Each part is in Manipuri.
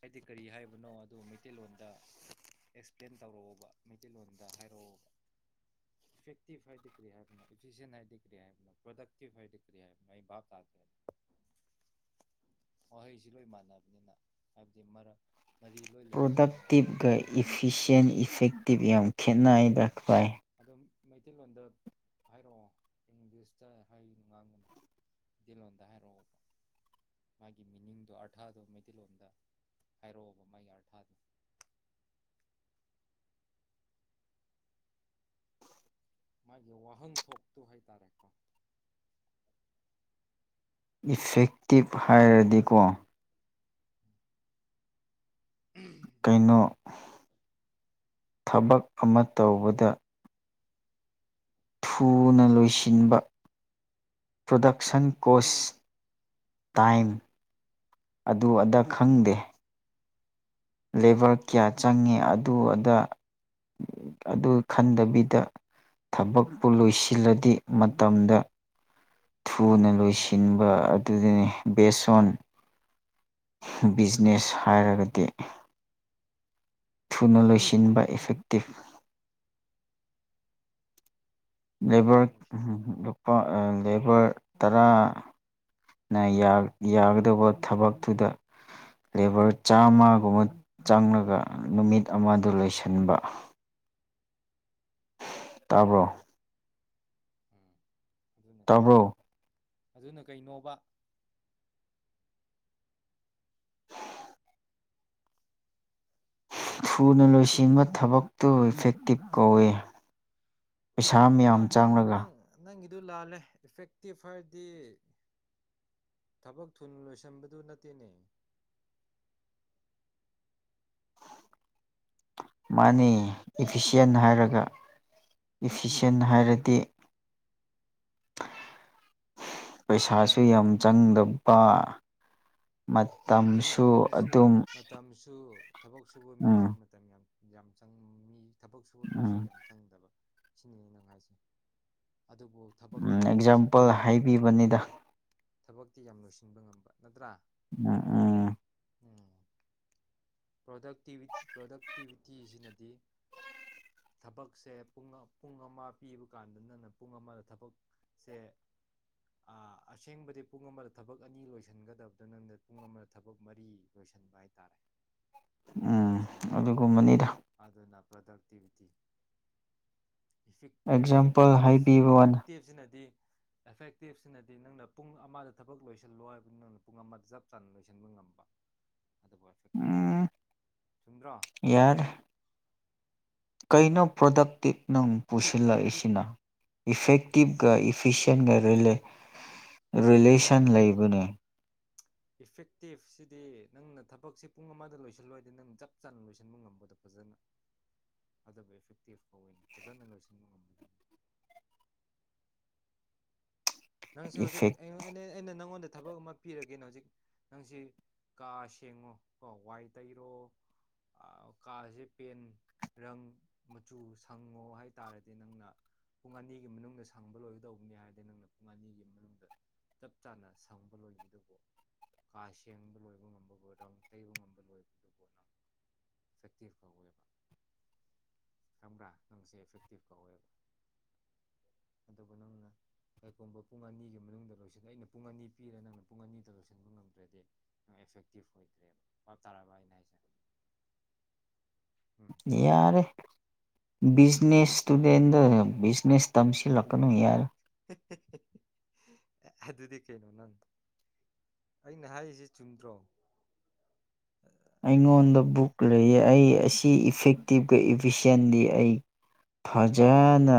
ꯍꯥꯏꯗꯤ ꯀꯔꯤ ꯍꯥꯏꯕꯅꯣ ꯑꯗꯨ ꯃꯩꯇꯩꯂꯣꯟꯗ ꯑꯦꯛꯁꯄ꯭ꯂꯦꯟ ꯇꯧꯔꯛꯑꯣꯕ ꯃꯩꯇꯩꯂꯣꯟꯗ ꯍꯥꯏꯔꯛꯑꯣꯕ ꯏꯐꯦꯛꯇꯤꯚ ꯍꯥꯏꯗꯤ ꯀꯔꯤ ꯍꯥꯏꯕꯅꯣ ꯏꯐꯤꯁꯦꯟ ꯍꯥꯏꯗꯤ ꯀꯔꯤ ꯍꯥꯏꯕꯅꯣ ꯄ꯭ꯔꯗꯛꯇꯤꯞ ꯍꯥꯏꯗꯤ ꯀꯔꯤ ꯍꯥꯏꯕꯅꯣ ꯑꯩ ꯚꯥꯞ ꯇꯥꯗ꯭ꯔꯦ ꯋꯥꯍꯩꯁꯤ ꯂꯣꯏ ꯃꯥꯟꯅꯕꯅꯤꯅ ꯑ [inaudible] ꯄ꯭ꯔꯗꯛꯇꯤꯞꯒ ꯏꯐꯤꯁꯦꯟ ꯏꯐꯦꯛꯇ ꯇꯤꯚ ꯌꯥꯝ ꯈꯦꯠꯅꯩꯗꯥ ꯕꯥꯢ ꯑꯗꯨꯝ ꯃꯩꯇꯩꯂꯣꯟꯗ ꯍꯥꯏꯔꯛꯑꯣ ꯏꯪꯂꯤꯁꯇ ꯍꯥꯏꯅꯨ ꯉꯥꯡꯅꯨ ꯃꯩꯇꯩꯂꯣꯟꯗ ꯍꯥꯏꯔꯛꯑꯣꯕ ꯃꯥꯒꯤ ꯃꯤꯅꯤꯡꯗꯣ ꯑꯥꯔꯊꯥꯗꯣ ꯃꯩꯇꯩꯂꯣꯟꯗ ꯍꯥꯏꯔꯛꯑꯣꯕ ꯃꯥꯒꯤ ꯑꯥꯔꯊꯥꯗꯣ ꯃꯥꯒꯤ ꯋꯥꯍꯟꯊꯣꯛꯇꯨ ꯍꯥꯏꯇꯥꯔꯦꯀꯣ ꯏꯐꯦꯛꯇꯤꯞ ꯍꯥꯏꯔꯗꯤꯀꯣ ꯀꯩꯅꯣ ꯊꯕꯛ ꯑꯃ ꯇꯧꯕꯗ ꯊꯨꯅ ꯂꯣꯏꯁꯤꯟꯕ ꯄ꯭ꯔꯗꯛꯁꯟ ꯀꯣꯁ ꯇꯥꯏꯝ ꯑꯗꯨ ꯑꯗ ꯈꯪꯗꯦ ꯂꯦꯕꯔ ꯀꯌꯥ ꯆꯪꯉꯤ ꯑꯗꯨ ꯑꯗꯥ ꯑꯗꯨ ꯈꯟꯗꯕꯤꯗ ꯊꯕꯛꯄꯨ ꯂꯣꯏꯁꯤꯜꯂꯗꯤ ꯃꯇꯝꯗ ꯊꯨꯅ ꯂꯣꯏꯁꯤꯟꯕ ꯑꯗꯨꯗꯅꯤ ꯕꯦꯁꯣꯟ ꯕꯤꯖꯤꯅꯦꯁ ꯍꯥꯏꯔꯒꯗꯤ ꯊꯨꯅ ꯂꯣꯏꯁꯤꯟꯕ ꯏꯐꯦꯛꯇꯤꯞ ꯁꯨꯡꯅ ꯂꯦꯕꯔ ꯂꯣꯏꯁꯤꯟꯕ ꯂꯨꯄꯥ ꯑꯥ ꯂꯦꯕꯔ ꯇꯔꯥꯅ ꯌꯥ ꯌꯥꯒꯗꯧꯕ ꯊꯕꯛꯇꯨꯗ ꯂꯦꯕꯔ ꯆꯥꯝꯃꯒꯨꯝꯕ ꯆꯪꯂꯒ ꯅꯨꯃꯤꯠ ꯑꯃꯗ ꯂꯣꯏꯁꯤꯟꯕ ꯇꯕ꯭ꯔꯣ ꯎꯝ ꯑꯗꯨꯅ ꯀꯔꯤ ꯇꯥ꯭ꯕꯔꯣ ꯑꯗꯨꯅ ꯀꯩꯅꯣꯕ [inaudible] ꯊꯨꯅ ꯂꯣꯏꯁꯤꯟꯕ ꯊꯕꯛꯇꯨ ꯏꯐꯦꯛꯇꯤꯞ ꯀꯧꯏ ꯄꯩꯁꯥ ꯃꯌꯥꯝ ꯆꯡꯂꯒ ꯑꯗꯨ ꯂꯥꯜꯂꯦ ꯏꯐꯦꯛꯇꯤꯞ ꯍꯥꯏꯔꯗꯤ ꯊꯕꯛ ꯊꯨꯅ ꯂꯣꯏꯁꯤꯟꯕꯗꯨ ꯅꯠꯇꯦꯅꯦ ꯃꯥꯅꯤ ꯏꯐꯤꯁꯦꯟ ꯍꯥꯏꯔꯒ ꯏꯐꯁꯤꯟ ꯍꯥꯏꯔꯗꯤ ꯄꯩꯁꯥꯁꯨ ꯌꯥꯝ ꯆꯪꯗꯕ ꯃꯤ ꯃꯇꯝꯁꯨ ꯃꯤꯁꯨ ꯑꯗꯨꯝ ꯃꯇꯝꯁꯨ ꯊꯕꯛ ꯁꯨꯕ ꯃꯤꯁꯨ ꯎꯝ ꯃꯇꯝ ꯌꯥꯝ ꯌꯥꯝ ꯆꯪꯕ ꯃꯤ ꯊꯕꯛ ꯁꯨꯕ ꯃꯤꯁꯨ ꯎꯝ ꯌꯥꯝ ꯆꯪꯗꯕ ꯁꯤꯅꯤ ꯑꯩꯅ ꯉꯥꯏꯁꯦ ꯑꯗꯨꯕꯨ ꯊꯕꯛꯇꯤ ꯌꯥꯝ ꯂꯣꯏꯁꯤꯟꯕ ꯑꯦꯛꯖꯥꯝꯄꯜ ꯉꯝꯕ ꯍꯥꯏꯕꯤꯕꯅꯤꯗ ꯊꯕꯛꯇꯤ ꯌꯥꯝ ꯂꯣꯏꯁꯤꯟꯕ ꯉꯝꯕ ꯅꯠꯇ꯭ꯔꯥ ꯎꯝ ꯎꯝ ꯄ꯭ꯔꯗꯤ ꯄ꯭ꯔꯗꯛꯇꯤꯕꯤꯇꯤꯁꯤꯅꯗꯤ ꯊꯕꯛꯁꯦ ꯄ ꯄꯨꯡ ꯑꯃ ꯄꯤꯕ ꯀꯥꯟꯗ ꯅꯪꯅ ꯄꯨꯡ ꯑꯃꯗ ꯊꯕꯛꯁꯦ ꯑꯁꯦꯡꯕꯗꯤ ꯄꯨꯡ ꯑꯃꯗ ꯊꯕꯛ ꯑꯅꯤ ꯂꯣꯏꯁꯤꯟꯒꯗꯕꯗ ꯅꯪꯅ ꯄꯨꯡ ꯑꯃꯗ ꯊꯕꯛ ꯃꯔꯤ ꯂꯣꯏꯁꯤꯟꯕ ꯍꯥꯏꯇꯥꯔꯦ ꯎꯝ ꯂꯣꯏꯁꯤꯟꯕ ꯉꯝꯕ ꯑꯗꯨꯒꯨꯝꯕꯅꯤꯗ ꯑꯗꯨꯅ ꯄ꯭ꯔꯗꯛꯇꯤꯚꯤꯇꯤ ꯑꯦꯛꯖꯥꯝꯄꯜ ꯏꯐꯤꯛꯇꯤꯞ ꯍꯥꯏꯕꯤꯕ ꯋꯥꯅꯤ ꯑꯦꯐꯦꯛꯇꯤꯞꯁꯤꯅꯗꯤ ꯑꯦꯐꯦꯛꯇꯤꯞꯁꯤꯅꯗꯤ ꯅꯪꯅ ꯄꯨꯡ ꯑꯃꯗ ꯊꯕꯛ ꯂꯣꯏꯁꯤꯜꯂꯣ ꯍꯥꯏꯕꯗ ꯅꯪꯅ ꯄꯨꯡ ꯑꯃꯗ ꯆꯞ ꯆꯅ ꯂꯣꯏꯁꯤꯟꯕ ꯉꯝꯕ ꯑꯗꯨꯕꯨ ꯑꯦꯐꯦꯛꯇꯤꯞ ꯎꯝ ꯆꯨꯝꯗ꯭ꯔꯣ ꯌꯥꯔꯦ ꯀꯩꯅꯣ ꯄ꯭ꯔꯗꯛꯇꯤꯞ ꯅꯪ ꯄꯨꯁꯤꯜꯂꯛꯏꯁꯤꯅ ꯏꯐꯦꯛꯇꯤꯚꯒ ꯏꯐꯤꯁꯦꯟꯒ ꯂꯦ ꯂꯦ ꯅꯠꯇꯦ ꯔꯤꯂꯦꯁꯟ ꯅꯠꯇꯦ ꯂꯩꯕꯅꯦ ꯏꯐꯦꯛꯇꯤꯞꯁꯤꯗꯤ ꯅꯪꯅ ꯊꯕꯛꯁꯤ ꯄꯨꯡ ꯑꯃꯗ ꯂꯣꯏꯁꯤꯜꯂꯣꯏ ꯍꯥꯏꯗꯤ ꯅꯪ ꯆꯞ ꯆꯥꯅ ꯂꯣꯏꯁꯤꯟꯕ ꯉꯝꯕꯗꯣ ꯐꯖꯅ ꯐꯖꯕ ꯏꯐꯦꯛꯇꯤꯞ ꯀꯧꯋꯦ ꯐꯖꯅ ꯂꯣꯏꯁꯤꯟꯕ ꯉꯝꯕꯗꯨ ꯅꯪꯁꯤ ꯍꯧꯖꯤꯛ ꯏꯐꯦꯛ ꯑꯩꯅ ꯑꯩꯅ ꯑꯩꯅ ꯅꯪꯉꯣꯟꯗ ꯊꯕꯛ ꯑꯃ ꯄꯤꯔꯒꯦꯅ ꯍꯧꯖꯤꯛ ꯅꯪꯁꯤ ꯀꯥ ꯁꯦꯡꯉꯣ ꯀꯣ ꯋꯥꯏ ꯇꯩꯔꯣ ꯑꯥ ꯀꯥꯁꯦ ꯄꯦꯟ ꯔꯪ ꯃꯆꯨ ꯁꯪꯉꯣ ꯍꯥꯏꯇꯥꯔꯗꯤ ꯅꯪꯅ ꯄꯨꯡ ꯑꯅꯤꯒꯤ ꯃꯅꯨꯡꯗ ꯁꯪꯕ ꯂꯣꯏꯒꯗꯧꯕꯅꯤ ꯍꯥꯏꯔꯗꯤ ꯅꯪꯅ ꯑꯅꯤꯒꯤ ꯃꯅꯨꯡꯗ ꯆꯞ ꯆꯥꯅ ꯁꯪꯕ ꯂꯣꯏꯕꯗꯨꯕꯨ ꯀꯥ ꯁꯦꯡꯕ ꯂꯣꯏꯕ ꯉꯝꯕꯕꯨ ꯔꯪ ꯇꯩꯕ ꯉꯝꯕ ꯂꯣꯏꯕꯗꯨꯕꯨ ꯅꯪ ꯏꯐꯦꯛꯇꯤꯞ ꯀꯧꯋꯦꯕ ꯈꯪꯕ꯭ꯔꯥ ꯅꯪꯁꯦ ꯏꯐꯦꯛꯇꯤꯞ ꯀꯧꯋꯦꯕ ꯑꯗꯨꯒ ꯅꯪꯅ ꯀꯔꯤꯒꯨꯝꯕ ꯄꯨꯡ ꯑꯅꯤꯒꯤ ꯃꯅꯨꯡꯗ ꯂꯣꯏꯁꯤꯜꯂ ꯑꯩꯅ ꯄꯨꯡ ꯑꯅꯤ ꯄꯤꯔꯦ ꯅꯪꯅ ꯄꯨꯡ ꯑꯅꯤꯗ ꯂꯣꯏꯁꯤꯟꯕ ꯉꯝꯗ꯭ꯔꯗꯤ ꯑꯦꯐꯦꯛꯇꯤꯞ ꯑꯣꯏꯗ꯭ꯔꯦꯕ ꯚꯥꯞ ꯇꯥꯔꯕ ꯑꯩꯅ ꯍꯥꯏꯁꯦ ꯎꯝ ꯌꯥꯔꯦ ꯕꯤꯖꯤꯅꯦꯁ ꯏꯁꯇꯨꯗꯦꯟꯗꯣ ꯕꯤꯖꯤꯅꯦꯁ ꯇꯝꯁꯤꯜꯂꯛꯀꯅꯨ ꯌꯥꯔꯦ ꯍꯦ ꯍꯦ ꯍꯦ ꯑꯦ ꯑꯗꯨꯗꯤ ꯀꯩꯅꯣ ꯅꯪ ꯑꯩꯅ ꯍꯥꯏꯔꯤꯁꯤ ꯆꯨꯝꯗ꯭ꯔꯣ ꯑꯩꯉꯣꯟꯗ ꯕꯨꯛ ꯂꯩꯌꯦ ꯑꯩ ꯀꯤ ꯏꯐꯦꯛꯇꯤꯞꯀ ꯏꯕꯤꯁꯦꯟꯗꯤ ꯑꯩ ꯐꯖꯅ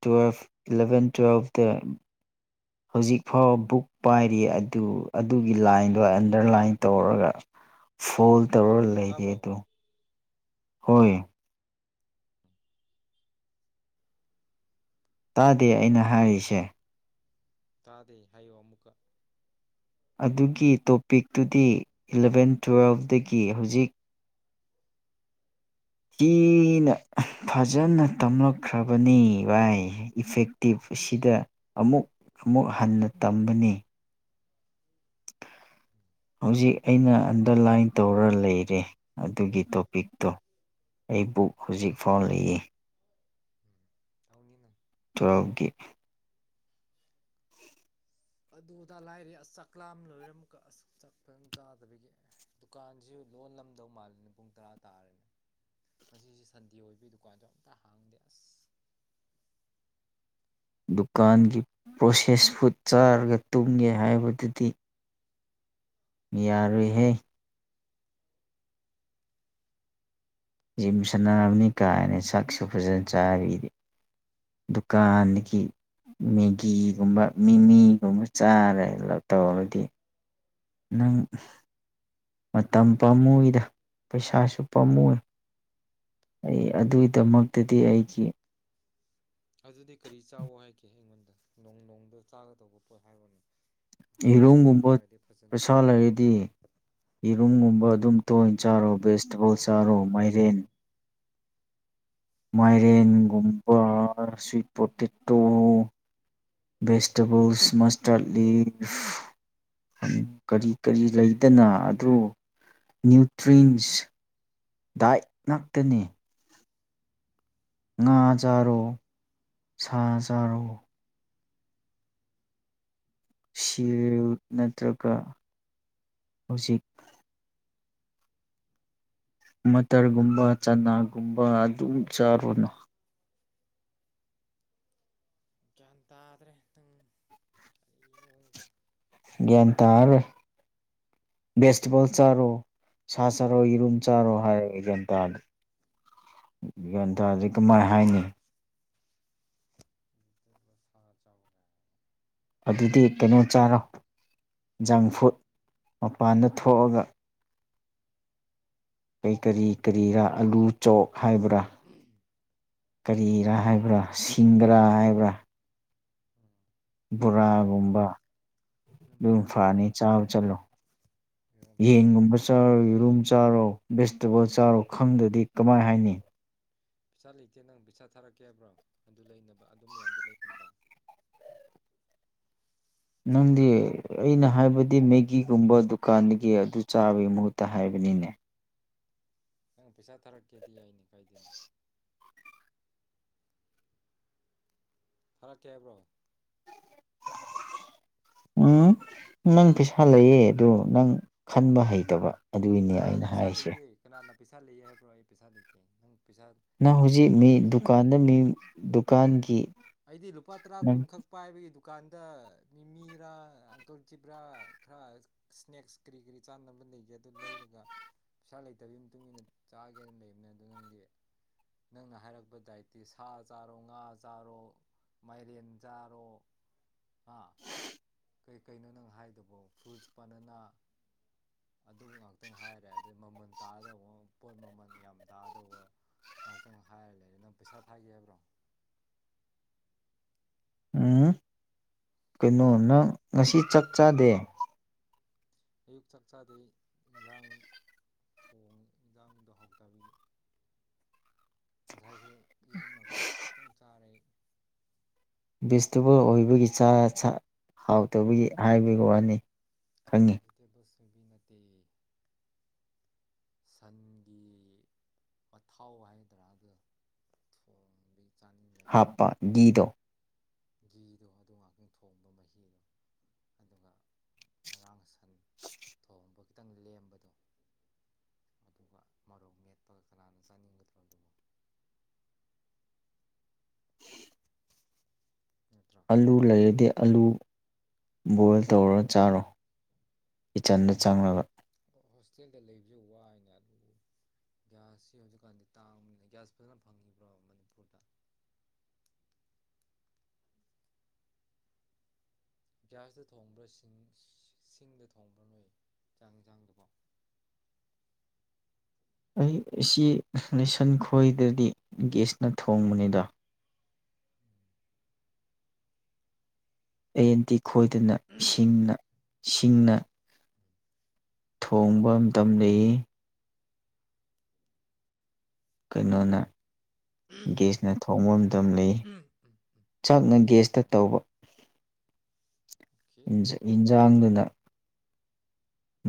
ꯇꯨꯋꯐ ꯏꯂꯚꯦꯟ ꯇꯨꯋꯦꯜꯐꯇ ꯍꯧꯖꯤꯛ ꯐꯥꯎꯕ ꯕꯨꯛ ꯄꯥꯏꯔꯤ ꯑꯗꯨ ꯑꯗꯨꯒꯤ ꯂꯥꯏꯟꯗꯣ ꯑꯟꯗꯔꯂꯥꯏꯟ ꯇꯧꯔꯒ ꯐꯣꯜ ꯇꯧꯔꯒ ꯂꯩꯔꯦ ꯇꯥꯕ꯭ꯔꯣ ꯑꯗꯣ ꯍꯣꯏꯌꯦ ꯇꯥꯗꯦ ꯑꯩꯅ ꯍꯥꯏꯔꯤꯁꯦ ꯇꯥꯗꯦ ꯍꯥꯏꯌꯣ ꯑꯃꯨꯛꯀ ꯑꯗꯨꯒꯤ ꯇꯣꯄꯤꯛꯇꯨꯗꯤ ꯏꯂꯚꯦꯟ ꯇꯨꯋꯦꯜꯐꯇꯒꯤ ꯍꯧꯖꯤꯛ ꯀꯤꯅ ꯐꯖꯅ ꯇꯝꯂꯛꯈ꯭ꯔꯕꯅꯤ ꯚꯥꯏ ꯏꯐꯦꯛꯇꯤꯞ ꯑꯁꯤꯗ ꯑꯃꯨꯛ ꯑꯃꯨꯛ ꯍꯟꯅ ꯇꯝꯕꯅꯤ ꯍꯧꯖꯤꯛ ꯑꯩꯅ ꯑꯟꯗꯔꯂꯥꯏꯟ ꯇꯧꯔ ꯂꯩꯔꯦ ꯑꯗꯨꯒꯤ ꯇꯣꯄꯤꯛꯇꯣ ꯎꯝ ꯑꯩꯕꯨꯛ ꯍꯧꯖꯤꯛ ꯐꯥꯎ ꯂꯩꯌꯦ ꯎꯝ ꯇꯧꯅꯤ ꯅ [inaudible] ꯇꯨꯋꯦꯐꯒꯤ ꯑꯗꯨꯗꯥ ꯂꯥꯏꯔꯦ ꯑꯁ ꯆꯥꯛꯂꯥꯝꯕꯅ ꯂꯣꯢꯔꯦ ꯑꯃꯨꯛꯀ ꯑꯁ ꯆꯥꯛ ꯐꯖꯅ ꯆꯥꯗꯕꯒꯤ ꯗꯨꯀꯥꯟꯁꯤꯁꯨ ꯂꯣꯟꯂꯝꯗꯧ ꯃꯥꯜꯂꯤꯦꯅꯦ ꯄꯨꯡ ꯇꯔꯥ ꯇꯥꯔꯦꯅꯦ ꯉꯁꯤꯁꯨ ꯁꯟꯗꯦ ꯑꯣꯏꯕ ꯗꯨꯀꯥꯟꯁꯨ ꯑꯝꯇ ꯍꯥꯡꯗꯦ ꯑꯁ ꯗꯨꯀꯥꯟꯒꯤ ꯄ꯭ꯔꯣꯁꯦꯁ ꯐꯨꯗ ꯆꯥꯔꯒ ꯇꯨꯝꯒꯦ ꯍꯥꯏꯕꯗꯨꯗꯤ ꯌꯥꯔꯣꯏꯍꯦ ꯖꯤꯝ ꯁꯥꯟꯅꯕꯅꯤ ꯀꯥꯏꯅ ꯁꯛꯁꯨ ꯐꯖꯅ ꯆꯥꯔꯤꯗꯤ ꯗꯨꯀꯥꯟꯗꯒꯤ ꯃꯦꯒꯤꯒꯨꯝꯕ ꯃꯤꯃꯤꯒꯨꯝꯕ ꯆꯥꯔꯦ ꯇꯧꯔꯗꯤ ꯅꯪ ꯃꯇꯝ ꯄꯥꯝꯃꯨꯏꯗ ꯄꯩꯁꯥꯁꯨ ꯄꯥꯝꯃꯨ ꯑꯩ ꯑꯗꯨꯒꯤꯗꯃꯛꯇꯗꯤ ꯑꯩꯒꯤ ꯑꯗꯨꯗꯤ ꯀꯔꯤ ꯆꯥꯎ ꯍꯥꯏꯒꯦ ꯑꯩꯉꯣꯟꯗ ꯅꯣꯡ ꯅꯣꯡꯗ ꯆꯥꯒꯗꯧꯕ ꯄꯣꯠ ꯍꯥꯏꯕꯅꯤ ꯌꯦꯔꯨꯝꯒꯨꯝꯕ ꯄꯩꯁꯥ ꯂꯩꯔꯗꯤ ꯌꯦꯔꯨꯝꯒꯨꯝꯕ ꯑꯗꯨꯝ ꯇꯣꯏ ꯌꯦꯔꯨꯝꯗꯨ ꯆꯥꯔꯣ ꯕꯦꯁꯇꯕꯣꯜ ꯆꯥꯔꯣ ꯀꯥꯟꯅꯗꯦꯅꯦ ꯃꯥꯏꯔꯦꯟ ꯌꯦꯔꯨꯝꯗꯨ ꯌꯦꯔꯨꯝꯗꯨ ꯃꯥꯏꯔꯦꯟꯒꯨꯝꯕ ꯁꯨꯋꯤꯠꯄꯣꯇꯦ ꯇꯣ ꯚꯦꯖꯤꯇꯦꯕꯜꯁ ꯃꯁꯇꯔꯠ ꯂꯤꯐ ꯀꯔꯤ ꯀꯔꯤ ꯂꯩꯗꯅ ꯑꯗꯨ ꯅ꯭ꯌꯨꯇ꯭ꯔꯤꯟꯁ ꯗꯥꯏꯠ ꯉꯥꯛꯇꯅꯤ ꯉꯥ ꯆꯥꯔꯣ ꯁꯥ ꯆꯥꯔꯣ ꯁꯤꯔ ꯅꯠꯇ꯭ꯔꯒ ꯍꯧꯖꯤꯛ ꯃꯇꯔꯒꯨꯝꯕ ꯆꯅꯥꯒꯨꯝꯕ ꯑꯗꯨꯝ ꯆꯥꯔꯨꯅ ꯒ꯭ꯌꯥꯟ ꯇꯥꯗ꯭ꯔꯦ ꯅꯪ ꯀꯔꯤ ꯍꯣꯡꯗ꯭ꯔꯦ [inaudible] [unintelligible] ꯭ꯒ꯭ꯌꯥꯟ ꯇꯔꯔꯣꯢ ꯚꯦꯁꯇꯦꯕꯜ ꯆꯔꯣ ꯁꯥ ꯆꯔꯣ ꯌꯦꯔꯨꯝ ꯆꯥꯔꯣ ꯍꯥꯏꯔ ꯒ꯭ꯌꯥꯟ ꯇꯥꯗ꯭ꯔꯦ ꯒ꯭ꯌꯥꯟ ꯇꯥꯗꯤ ꯀꯃꯥꯏ ꯍꯥꯏꯅꯤ [inaudible] ꯑꯗꯨꯗꯤ ꯀꯩꯅꯣ ꯆꯥꯔꯣ ꯖꯪ ꯐꯨꯗ ꯃꯄꯥꯟꯗ ꯊꯣꯛꯑꯒ ꯀꯔꯤ ꯀꯔꯤ ꯀꯔꯤꯔꯥ ꯑꯂꯨ ꯆꯣꯛ ꯍꯥꯏꯕ꯭ꯔꯥ ꯎꯝ ꯀꯔꯤꯔ ꯍꯥꯏꯕ꯭ꯔꯥ ꯁꯤꯡꯒꯔꯥ ꯍꯥꯏꯕ꯭ꯔꯥ ꯎꯝ ꯑꯗꯨꯅ ꯕꯣꯔꯥꯒꯨꯝꯕ ꯐꯔꯅꯤ ꯑꯗꯨꯅ ꯐꯔꯅꯤ ꯆꯥꯕ ꯆꯠꯂꯣ ꯑꯗꯨꯅ ꯐꯔꯅꯤ ꯌꯦꯟꯒꯨꯝꯕ ꯆꯥꯔꯣ ꯌꯦꯔꯨꯝ ꯆꯥꯔꯣ ꯚꯦꯖꯇꯦꯕꯜ ꯄꯩꯁꯥ ꯆꯥꯔꯣ ꯈꯪꯗꯗꯤ ꯀꯃꯥꯏ ꯍꯥꯏꯅꯤ ꯄꯩꯁꯥ ꯂꯩꯇꯦ ꯅꯪ ꯄꯩꯁꯥ ꯊꯥꯔꯛꯀꯦ ꯍꯥꯏꯕ꯭ꯔꯣ ꯑꯗꯨ ꯃꯌꯥꯝꯗꯣ ꯑꯗꯨ ꯂꯩꯅꯕ ꯅꯪꯗꯤ ꯑꯩꯅ ꯍꯥꯏꯕꯗꯤ ꯃꯦꯒꯤꯒꯨꯝꯕ ꯗꯨꯀꯥꯟꯗꯒꯤ ꯑꯗꯨ ꯆꯥꯕꯒꯤ ꯃꯍꯨꯠꯇ ꯍꯥꯏꯕꯅꯤꯅꯦ ꯅꯪ ꯄꯩꯁꯥ ꯊꯥꯔꯛꯀꯦꯗꯤ ꯌꯥꯏꯅꯦ ꯀꯥꯏꯗꯦꯅꯦ ꯊꯥꯔꯛꯀꯦ ꯍꯥꯏꯕ꯭ꯔꯣ ꯎꯝ ꯅꯪ ꯄꯩꯁꯥ ꯂꯩꯌꯦ ꯑꯗꯨ ꯅꯪ ꯈꯟꯕ ꯍꯩꯇꯕ ꯑꯗꯨꯒꯤꯅꯦ ꯑꯩ ꯑꯩꯅ ꯄꯩꯁꯥ ꯍꯥꯏꯁꯦ ꯂꯩꯇꯦ ꯀꯅꯥꯅ ꯄꯩꯁꯥ ꯂꯩꯌꯦ ꯍꯥꯏꯕ꯭ꯔꯣ ꯑꯩ ꯄꯩꯁꯥ ꯂꯩꯇꯦ ꯅꯪ ꯄꯩꯁꯥ ꯅꯪ ꯍꯧꯖꯤꯛ ꯃꯤ ꯊꯥꯔꯛꯈꯤ ꯅꯪ ꯗꯨꯀꯥꯟꯗ ꯃꯤ ꯗꯨꯀꯥꯟꯒꯤ ꯑꯩꯗꯤ ꯂꯨꯄꯥ ꯇꯔꯥ ꯅꯪ ꯀꯨꯟꯈꯛ ꯄꯥꯏꯕꯒꯤ ꯗꯨꯀꯥꯟꯗ ꯃꯤꯃꯤꯔꯥ ꯑꯪꯀꯜ ꯆꯤꯕ꯭ꯔꯥ ꯈꯔ ꯁ꯭ꯅꯦꯛꯁ ꯀꯔꯤ ꯀꯔꯤ ꯆꯥꯅꯕ ꯂꯩꯒꯦ ꯑꯗꯨ ꯂꯩꯔ ꯄꯩꯁꯥ ꯂꯩꯇꯕꯩ ꯃꯇꯨꯡꯏꯟꯅ ꯆꯥꯒꯦꯅ ꯂꯩꯕꯅꯦ ꯑꯗꯣ ꯅꯪꯗꯤ ꯅꯪꯅ ꯍꯥꯏꯔꯛꯄ ꯗꯥꯏꯠꯇꯤ ꯁꯥ ꯆꯥꯔꯣ ꯉꯥ ꯆꯥꯔꯣ ꯃꯥꯏꯔꯦꯟ ꯆꯥꯔꯣ ꯉꯥ ꯀꯩ ꯀꯩꯅꯣ ꯅꯪ ꯍꯥꯏꯗꯨꯕꯣ ꯐ꯭ꯔꯨꯏꯠꯁ ꯄꯅꯅ ꯑꯗꯨ ꯉꯥꯛꯇ ꯇꯥꯗꯧꯕ ꯄꯣꯠ ꯃꯃꯟ ꯌꯥꯝ ꯇꯥꯗꯧꯕ ꯉꯥꯛꯇꯪ ꯍꯥꯏꯔ ꯂꯩꯔꯦ ꯅꯪ ꯄꯩꯁꯥ ꯊꯥꯒꯦ ꯍꯥꯏꯕ꯭ꯔꯣ ꯎꯝ ꯀꯩꯅꯣ ꯅꯪ ꯉꯁꯤ ꯆꯥꯛ ꯆꯥꯗꯦ ꯑꯌꯨꯛ ꯆꯥꯛ ꯆꯥꯗꯩ ꯑꯩ ꯏꯟꯖꯥꯡ ꯊꯣꯡ ꯏꯟꯖꯥꯡꯗꯣ ꯍꯥꯎꯇꯕꯒꯤ ꯉꯁꯥꯏꯁꯨ ꯌꯦꯔꯨꯝꯃꯛꯇ ꯈꯤꯇꯪ ꯆꯥꯔꯦ ꯚꯦꯖꯇꯤꯕꯜ ꯑꯣꯏꯕꯒꯤ ꯆꯥ ꯆꯥ ꯍꯥꯎꯇꯕꯒꯤ ꯍꯥꯏꯕꯒꯤ ꯋꯥꯅꯤ ꯈꯪꯉꯤ [unintelligible] ꯅꯠꯇꯦ ꯁꯟꯒꯤ ꯃꯊꯥꯎ ꯍꯥꯏꯒꯗ꯭ꯔꯥ ꯑꯗꯨꯗꯣ ꯊꯣꯡꯕꯩ ꯍꯥꯞꯄ ꯒꯤꯗꯣ ꯒꯤꯗꯣ ꯑꯗꯨ ꯉꯥꯛꯇꯪ ꯊꯣꯡꯕ ꯃꯍꯤꯗꯣ ꯑꯗꯨꯒ ꯉꯔꯥꯡ ꯁꯥꯏ [inaudible] ꯑꯃꯨꯇꯪ ꯂꯦꯝꯕꯗꯣ ꯑꯗꯨꯒ ꯃꯔꯣꯛ ꯃꯦꯠꯄꯒ ꯀꯅꯥꯅ ꯆꯥꯅꯤꯡꯒꯗ꯭ꯔꯣ ꯑꯗꯨꯕꯨ ꯅꯠꯇ꯭ꯔꯣ ꯑꯂꯨ ꯂꯩꯔꯗꯤ ꯑꯂꯨ ꯕꯣꯏꯜ ꯇꯧꯔ ꯆꯥꯔꯣ ꯏꯆꯟꯗ ꯆꯪꯅꯒ ꯍꯣꯁꯇꯦꯜꯗ ꯂꯩꯕꯖꯦ ꯋꯥꯏꯗ ꯑꯗꯨ ꯒ꯭ꯌꯥꯁꯁꯤ ꯍꯧꯖꯤꯛꯀꯥꯟꯗꯤ ꯇꯥꯡꯕꯅꯤꯅ ꯒ꯭ꯌꯥꯁ ꯐꯖꯅ ꯐꯪꯉꯤꯕ꯭ꯔꯣ ꯃꯅꯤꯄꯨꯔꯗ ꯒ꯭ꯌꯥꯁꯇ ꯊꯣꯡꯕ꯭ꯔꯥ ꯁꯤꯡ ꯁꯤꯡꯗ ꯊꯣꯡꯕ꯭ꯔꯥ ꯅꯣꯏ ꯆꯥꯛ ꯏꯟꯁꯥꯡꯗꯨꯕꯣ ꯑꯩ ꯁꯤ ꯅꯤꯁꯟ ꯈꯣꯏꯗꯗꯤ ꯒꯦꯁꯅ ꯊꯣꯡꯕꯅꯤꯗ ꯑꯦꯟꯗꯤ ꯈꯣꯏꯗꯅ ꯏꯁꯤꯡꯅ ꯁꯤꯡꯅ ꯊꯣꯡꯕ ꯃꯇꯝ ꯂꯩꯌꯦ ꯀꯩꯅꯣꯅꯦ ꯒꯦꯁ ꯅ ꯊꯣꯡꯝ ꯇꯨꯝꯃꯤ ꯆꯥꯛꯅ ꯒꯦꯁ ꯇ ꯇꯧꯕ ꯑꯣꯀꯦ ꯍꯤꯟꯖ ꯍꯤꯟꯖꯥꯡꯗꯨꯅ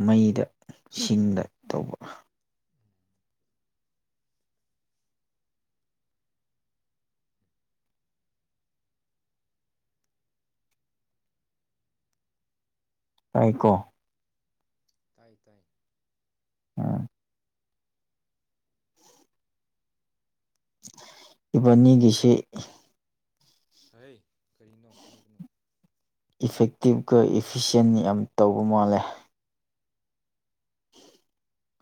ꯃꯩꯗ ꯁꯤꯡꯗ ꯇꯧꯕ ꯇꯥꯏꯀꯣ ꯇꯥꯏ ꯇꯥꯏ ꯎꯝ ꯏꯕꯥꯅꯤꯒꯤꯁꯦ ꯍꯩ ꯀꯔꯤꯅꯣ ꯍꯥꯏꯒꯅꯨ ꯏꯐꯦꯛꯇꯤꯞꯀ ꯏꯐꯤꯁꯦꯟ ꯌꯥꯝ ꯇꯧꯕ ꯃꯥꯜꯂꯦ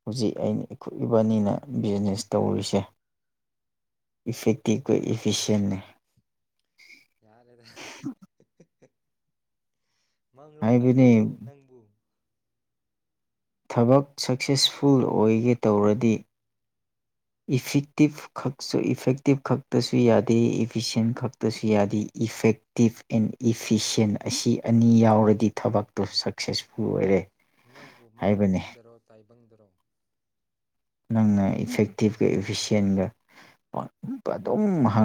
ꯍꯧꯖꯤꯛ ꯑꯩꯅ ꯏꯈꯣꯏ ꯏꯕꯥꯏꯅꯤꯅ ꯕꯤꯖꯤꯅꯦꯁ ꯇꯧꯔꯤꯁꯦ ꯏꯐꯦꯛꯇꯤꯞꯀ ꯏꯐꯤꯁꯦꯟꯅꯦ ꯌꯥꯔꯦꯗ ꯃꯪꯂꯣ ꯇꯥꯏꯕꯪꯔꯣ ꯍꯥꯏꯕꯗꯤ ꯅꯪꯕꯨ ꯊꯕꯛ ꯁꯛꯁꯦꯁꯐꯨꯜ ꯑꯣꯏꯒꯦ ꯇꯧꯔꯗꯤ ꯏꯐꯦꯛꯇꯤꯞ ꯈꯛꯁꯨ ꯏꯐꯦꯛꯇꯤꯞ ꯈꯛꯇꯁꯨ ꯌꯥꯗꯦ ꯏꯐꯤꯁꯦꯟ ꯈꯛꯇꯁꯨ ꯌꯥꯗꯦ ꯏꯐꯦꯛꯇꯤꯞ ꯑꯦꯟ ꯏꯐꯤꯁꯟ ꯑꯁꯤ ꯑꯅꯤ ꯌꯥꯎꯔꯗꯤ ꯊꯕꯛꯇꯣ ꯁꯛꯁꯦꯁꯐꯨꯜ ꯑꯣꯏꯔꯦ ꯅꯪꯕꯨ ꯍꯥꯏꯕꯅꯤ ꯃꯪꯗꯔꯣ ꯇꯥꯏꯕꯪꯗꯔꯣ ꯁꯦꯛ ꯐꯦꯛꯇꯤꯚ ꯀ ꯏꯐꯤꯁꯦꯟꯒ ꯄ ꯑꯗꯨꯝ